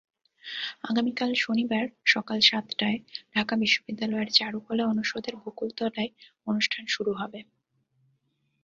আগামীকাল শনিবার সকাল সাতটায় ঢাকা বিশ্ববিদ্যালয়ের চারুকলা অনুষদের বকুলতলায় অনুষ্ঠান শুরু হবে।